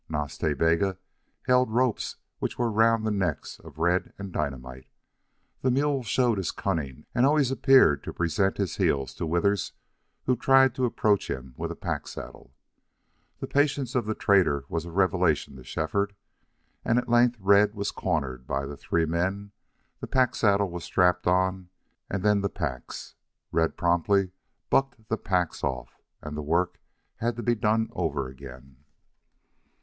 Nas Ta Bega held ropes which were round the necks of Red and Dynamite. The mule showed his cunning and always appeared to present his heels to Withers, who tried to approach him with a pack saddle. The patience of the trader was a revelation to Shefford. And at length Red was cornered by the three men, the pack saddle was strapped on, and then the packs. Red promptly bucked the packs off, and the work had to be done over again.